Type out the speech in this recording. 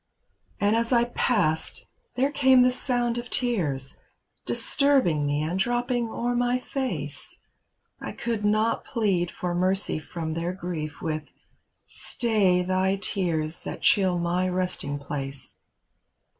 And as I passed there came the sound of tears, Disturbing me and dropping o'er my face; I could not plead for mercy from their grief With "Stay thy tears that chill my resting place."